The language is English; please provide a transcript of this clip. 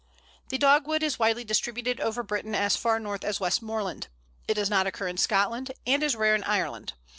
The Dogwood is widely distributed over Britain as far north as Westmoreland. It does not occur in Scotland, and is rare in Ireland.